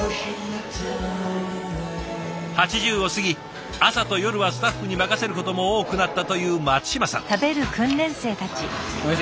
８０を過ぎ朝と夜はスタッフに任せることも多くなったという松島さん。